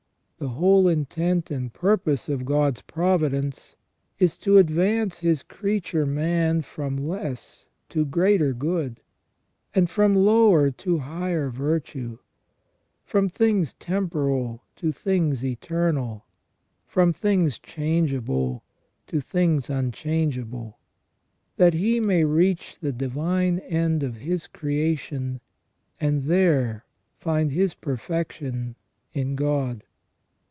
The whole intent and purpose of God's providence is to advance His creature man from less to greater good, and from lower to higher virtue ; from things temporal to things eternal ; from things changeable to things unchangeable; that he may reach the divine end of his creation, and there find his perfection in God.